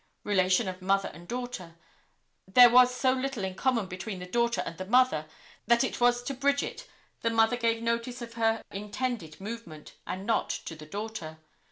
Relation of mother and daughter. There was so little in common between the daughter and the mother that it was to Bridget the mother gave notice of her intended movement, and not to the daughter.